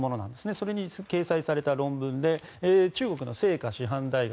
それに掲載された論文で中国の西華師範大学